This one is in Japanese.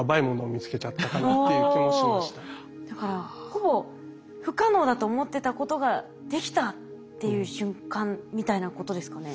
ほぼ不可能だと思ってたことができたっていう瞬間みたいなことですかね？